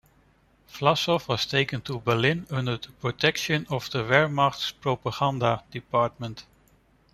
Vlasov was taken to Berlin under the protection of the Wehrmacht's propaganda department.